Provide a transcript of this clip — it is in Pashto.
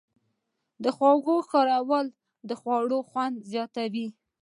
د خوږو کارول د خوړو خوند زیاتوي.